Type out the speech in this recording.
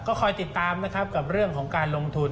ก็คอยติดตามนะครับกับเรื่องของการลงทุน